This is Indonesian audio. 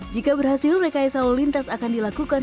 jika berhasil rekayasa lalu lintas akan dilakukan